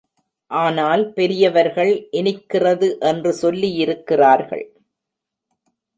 ஆனால் பெரியவர்கள் இனிக்கிறது என்று சொல்லியிருக்கிறார்கள்.